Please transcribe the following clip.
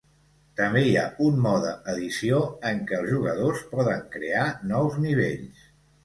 També hi ha un "mode edició" en què els jugadors poden crear nous nivells.